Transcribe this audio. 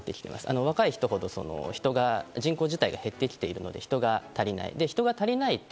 若い人ほど人口自体が減ってきているので人が足りない。